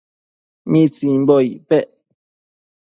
¿mitsimbo icpec